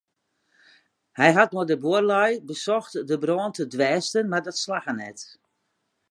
Hy hat mei de buorlju besocht de brân te dwêsten mar dat slagge net.